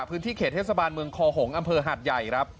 พื้นที่เขตเทศบาลเมืองคอหงษ์อำเภอหาดใหญ่ครับ